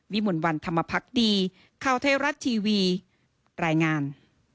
วิมวันวันธรรมพักดีคาวเทรารัสทีวีรายงาน